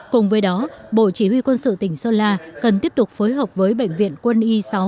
cùng với đó bộ chỉ huy quân sự tỉnh sơn la cần tiếp tục phối hợp với bệnh viện quân y sáu